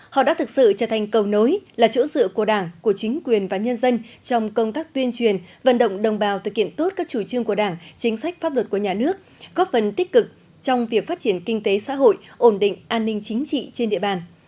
họ đã thực sự trở thành cầu nối là chỗ dựa của đảng của chính quyền và nhân dân trong công tác tuyên truyền vận động đồng bào thực hiện tốt các chủ trương của đảng chính sách pháp luật của nhà nước góp phần tích cực trong việc phát triển kinh tế xã hội ổn định an ninh chính trị trên địa bàn